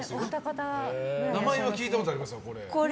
名前は聞いたことあります。